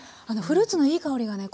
フルーツのいい香りがね